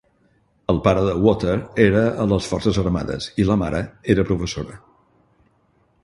El pare de Water era a les forces armades i la mare era professora.